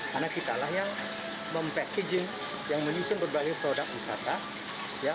karena kitalah yang mem packaging yang meng usin berbagai produk wisata